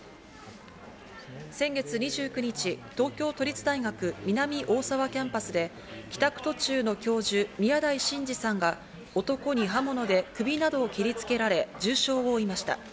先月２９日、東京都立大学南大沢キャンパスで帰宅途中の教授・宮台真司さんが男に刃物で首などを切りつけられ重傷を負いました。